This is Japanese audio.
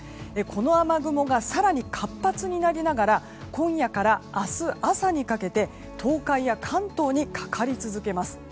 この雨雲が更に活発になりながら今夜から明日朝にかけて東海や関東にかかり続けます。